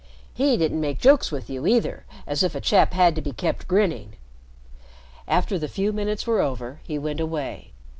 He didn't make jokes with you, either, as if a chap had to be kept grinning. After the few minutes were over, he went away.